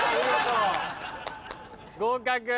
合格。